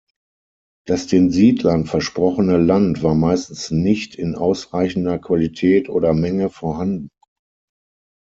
Das den Siedlern versprochene Land war meistens nicht in ausreichender Qualität oder Menge vorhanden.